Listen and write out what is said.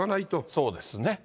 そうですね。